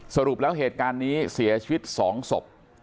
สรุปแล้วเหตุการณ์นี้เสียชีวิต๒ศพ